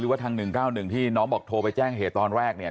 หรือว่าทางหนึ่งเก้าหนึ่งที่น้องบอกโทรไปแจ้งเหตุตอนแรกเนี่ย